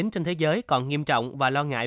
trên thế giới còn nghiêm trọng và lo ngại